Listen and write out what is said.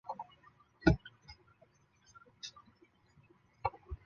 本届赛事首次设立四个降级名额。